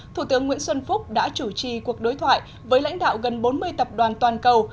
thủ tướng nguyễn xuân phúc đã chủ trì cuộc đối thoại với lãnh đạo gần bốn mươi tập đoàn toàn cầu